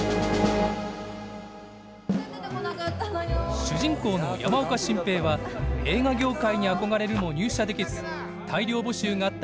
主人公の山岡進平は映画業界に憧れるも入社できず大量募集があった